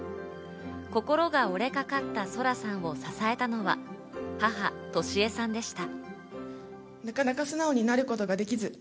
心が折れかかった咲良さんを支えたのは母・登志江さんでした。